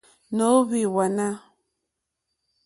Nǒhwì hwánà.